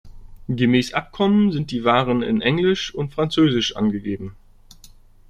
Gemäß Abkommen sind die Waren in Englisch und Französisch angegeben.